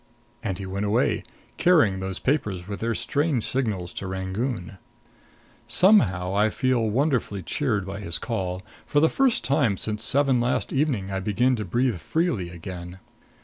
And he went away, carrying those papers with their strange signals to Rangoon. Somehow I feel wonderfully cheered by his call. For the first time since seven last evening I begin to breathe freely again.